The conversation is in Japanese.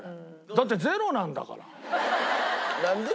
だってゼロなんだから。